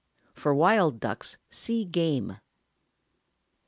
(For wild ducks, see GAME.)